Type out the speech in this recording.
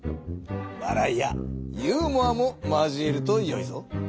わらいやユーモアも交えるとよいぞ。